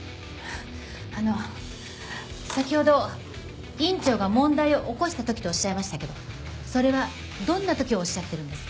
あの先ほど院長が問題を起こした時とおっしゃいましたけどそれはどんな時をおっしゃってるんですか？